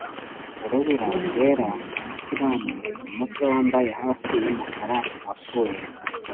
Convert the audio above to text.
urubura-rwera umusilamu umutwe-wambaye hafi yumukara wapfuye